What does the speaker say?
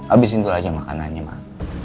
abisin dulu aja makanannya mak